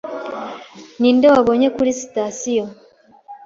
Ninde wabonye kuri sitasiyo?